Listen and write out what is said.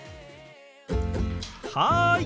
はい！